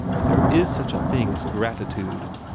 There is such a thing as gratitude.